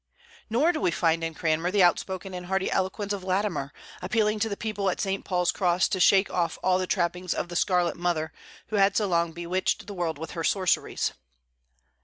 Nor do we find in Cranmer the outspoken and hearty eloquence of Latimer, appealing to the people at St. Paul's Cross to shake off all the trappings of the "Scarlet Mother," who had so long bewitched the world with her sorceries.